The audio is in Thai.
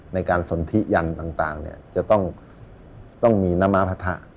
ในการสนทิยันต่างจะต้องมีน้ำม้าพัทธะ